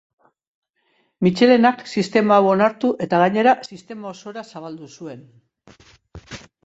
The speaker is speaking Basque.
Mitxelenak sistema hau onartu, eta gainera, sistema osora zabaldu zuen.